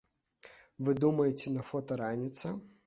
Вы думаеце, на фота раніца?